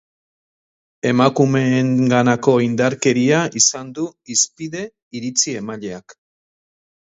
Emakumeenganako indarkeria izan du hizpide iritzi-emaileak.